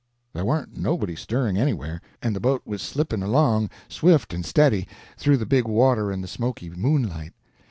] "There warn't nobody stirring anywhere, and the boat was slipping along, swift and steady, through the big water in the smoky moonlight.